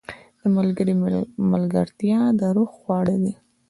• د ملګري ملګرتیا د روح خواړه دي.